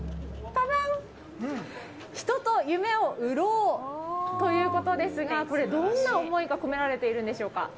人と夢を売ろう。ということですがどんな思いが込められているんですか。